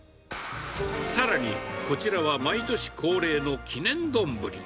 さらに、こちらは毎年恒例の記念丼。